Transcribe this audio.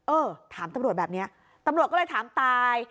เออถามตำรวจแบบนี้ตำรวจก็เลยถามตาย